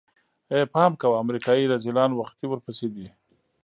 ای پام کوه امريکايي رذيلان وختي ورپسې دي.